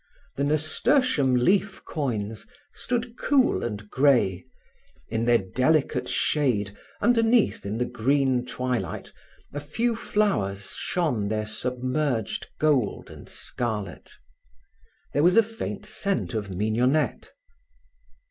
The nasturtium leaf coins stood cool and grey; in their delicate shade, underneath in the green twilight, a few flowers shone their submerged gold and scarlet. There was a faint scent of mignonette.